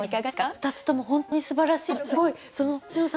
２つとも本当にすばらしいと思います。